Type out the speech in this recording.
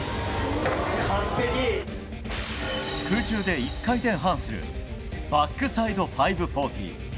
空中で１回転半するバックサイド５４０。